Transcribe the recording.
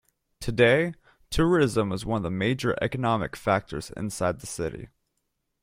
Today, tourism is one of the major economic factors inside the city.